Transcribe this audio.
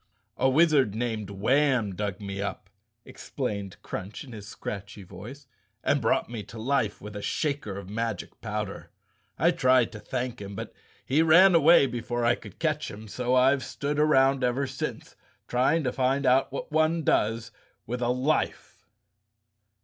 "A wizard named Warn dug me up," explained Crunch in his scratchy voice, "and brought me to life with a shaker of magic powder. I tried to thank him, but he ran away before I could catch him, so I've stood around ever since trying to find out what one does with a life."